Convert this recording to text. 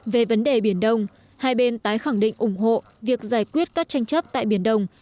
về vấn đề biển đông hai bên tái khẳng định ủng hộ việc giải quyết các tranh chấp tại biển đông